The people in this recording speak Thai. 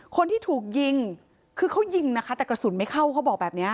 คนที่ถูกยิงคือเขายิงนะคะแต่กระสุนไม่เข้าเขาบอกแบบนี้